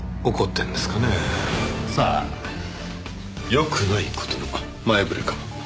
良くない事の前触れかも。